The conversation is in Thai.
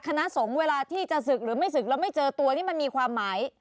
คณะสงฆ์เวลาที่จะศึกหรือไม่ศึกแล้วไม่เจอตัวนี่มันมีความหมาย